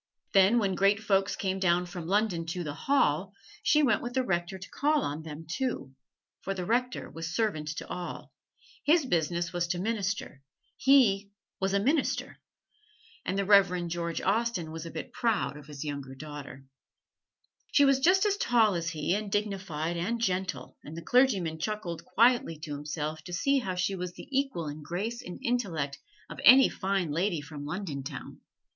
Then when Great Folks came down from London to "the Hall," she went with the Rector to call on them too, for the Rector was servant to all his business was to minister: he was a Minister. And the Reverend George Austen was a bit proud of his younger daughter. She was just as tall as he, and dignified and gentle: and the clergyman chuckled quietly to himself to see how she was the equal in grace and intellect of any Fine Lady from London town.